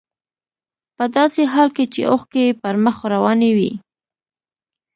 په داسې حال کې چې اوښکې يې پر مخ روانې وې.